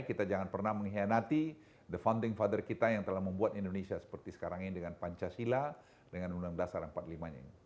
kita jangan pernah mengkhianati bapak pembangunan yang telah membuat indonesia seperti sekarang ini dengan pancasila dengan undang dasar empat puluh lima nya ini